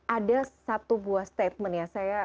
ada satu buah statement ya